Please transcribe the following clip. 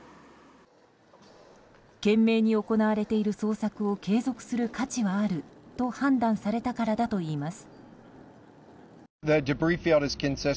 懸命に行われている捜索を継続する価値はあると判断されたからだといいます。